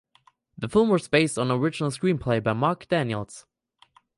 The film was based on an original screenplay by Mark Daniels.